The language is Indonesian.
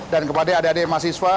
dan kepada adik adik mahasiswa